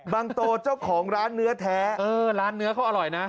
โตเจ้าของร้านเนื้อแท้ร้านเนื้อเขาอร่อยนะ